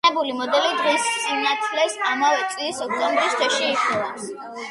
ხსენებული მოდელი დღის სინათლეს ამავე წლის ოქტომბრის თვეში იხილავს.